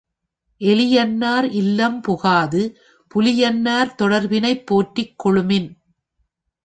எலி யன்னார் இல்லம் புகாது, புலி யன்னார் தொடர்பினைப் போற்றிக் கொள்ளுமின்!